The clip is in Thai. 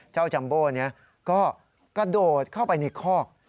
จัมโบ้ก็กระโดดเข้าไปในคอก